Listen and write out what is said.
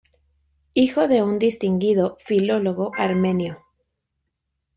Hijo de un distinguido filólogo armenio.